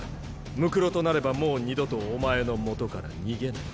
骸となればもう二度とお前のもとから逃げない。